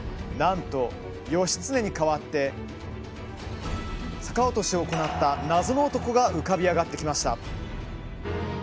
なんと義経に代わって逆落としを行った謎の男が浮かび上がってきました。